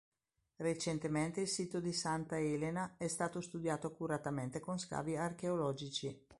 Recentemente il sito di Santa Elena è stato studiato accuratamente con scavi archeologici.